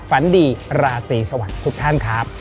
ฝันดีราตรีสวัสดีทุกท่านครับ